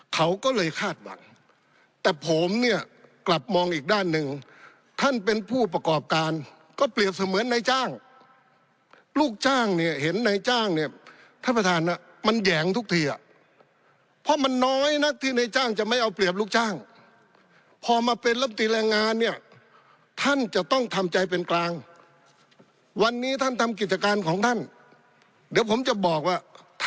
เขาก็เลยคาดหวังแต่ผมเนี่ยกลับมองอีกด้านหนึ่งท่านเป็นผู้ประกอบการก็เปรียบเสมือนในจ้างลูกจ้างเนี่ยเห็นนายจ้างเนี่ยท่านประธานมันแหยงทุกทีอ่ะเพราะมันน้อยนักที่ในจ้างจะไม่เอาเปรียบลูกจ้างพอมาเป็นลำตีแรงงานเนี่ยท่านจะต้องทำใจเป็นกลางวันนี้ท่านทำกิจการของท่านเดี๋ยวผมจะบอกว่าท